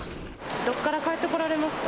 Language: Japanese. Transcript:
どこから帰ってこられました？